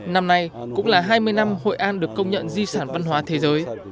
năm nay cũng là hai mươi năm hội an được công nhận di sản văn hóa thế giới